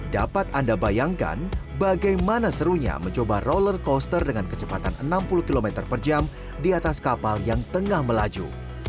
dapat anda bayangkan bagaimana serunya mencoba roller coaster dengan kecepatan enam puluh km per jam di atas kapal yang tengah melaju